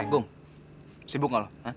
eh bung sibuk gak lo